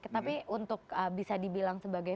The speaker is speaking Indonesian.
tapi untuk bisa dibilang sebagai